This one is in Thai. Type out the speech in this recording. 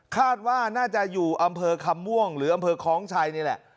คาดว่าน่าจะอยู่อำเภอคำม่วงหรืออำเภอคล้องชัยนี่แหละ